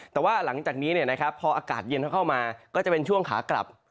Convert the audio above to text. แต่ว่าหลังจากนี้พออากาศเย็นเข้ามาก็จะเป็นช่วงขากลับ